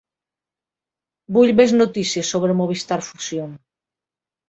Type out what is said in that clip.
Vull més notícies sobre Movistar Fusión.